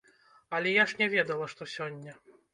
Але я ж не ведала, што сёння!